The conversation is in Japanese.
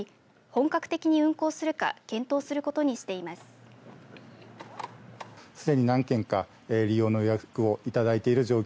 本格的に運行するか検討することにしています。